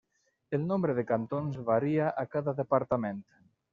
El nombre de cantons varia a cada departament.